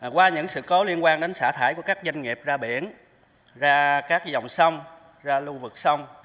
qua những sự cố liên quan đến xả thải của các doanh nghiệp ra biển ra các dòng sông ra lưu vực sông